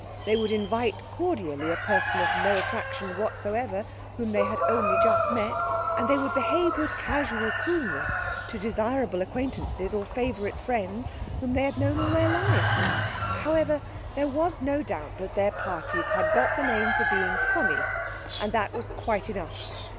They would invite cordially a person of no attraction whatsoever whom they had only just met, and they would behave with casual coolness to desirable acquaintances or favourite friends whom they had known all their lives. However, there was no doubt that their parties had got the name for being funny, and that was quite enough.